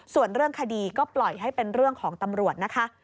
ส่วนเรื่องคดีก็ปล่อยให้เป็นเรื่องของตำรวจนะคะ